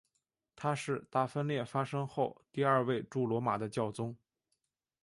他是大分裂发生后第二位驻罗马的教宗。